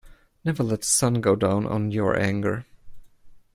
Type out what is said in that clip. Never let the sun go down on your anger.